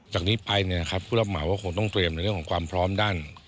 จากนี้ไปผู้รับหมายว่าคงต้องเตรียมในเรื่องของความพร้อมด้าน